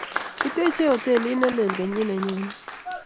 Kiteche hotelit ne lel kenyit ne nyone